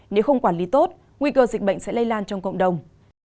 nếu không quản lý tốt nguy cơ dịch bệnh sẽ lây lan trong cộng đồng